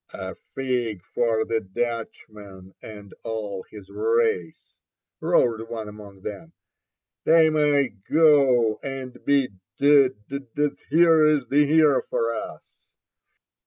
^'Afig for the Dutchman and all his race I " roared one among them; '* they may feo and be d— d !— here's the hero for us."